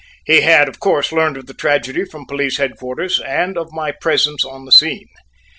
He had, of course, learned of the tragedy from police headquarters, and of my presence on the scene.